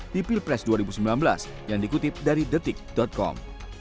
di pilpres dua ribu sembilan belas yang dikutip dari detik com